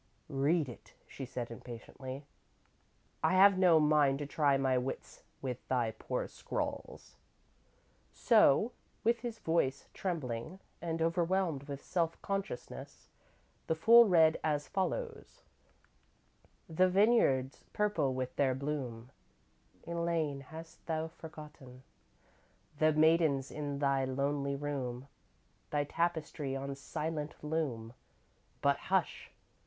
"Read it," she said, impatiently; "I have no mind to try my wits with thy poor scrawls."_ So, with his voice trembling, and overwhelmed with self consciousness, the fool read as follows: The vineyards, purple with their bloom, Elaine, hast thou forgotten? The maidens in thy lonely room, Thy tapestry on silent loom But hush!